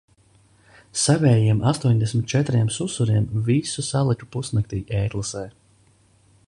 Savējiem astoņdesmit četriem susuriem visu saliku pusnaktī e-klasē.